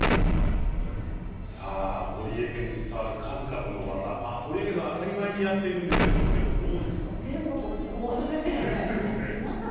堀江家に伝わる数々の技堀江家では当たり前にやってるんですけど関根さん、どうですか。